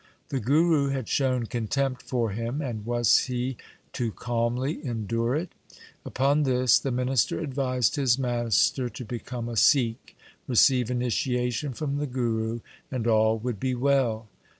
The Guru had shown contempt for him, and was he to calmly endure it ? Upon this the minister advised his master to become a Sikh, receive initiation from the Guru, and all would be well.